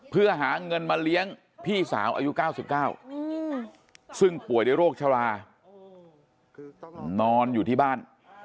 เพื่อหาเงินมาเลี้ยงพี่สาวอายุ๙๙ซึ่งป่วยด้วยโรคชรานอนอยู่ที่บ้าน